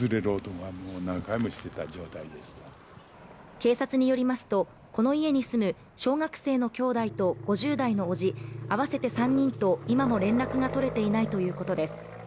警察によりますと、この家に小学生の兄弟と５０代のおじ合わせて３人と今も連絡が取れていないということです。